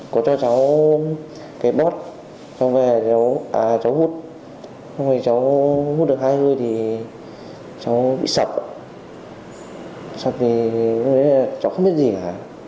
cháu bị sọc sọc thì cháu không biết gì hả